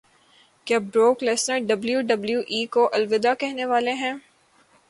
کیا Brock Lesnar W W E کو الوداع کہنے والے ہیں